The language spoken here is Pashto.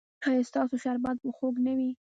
ایا ستاسو شربت به خوږ نه وي؟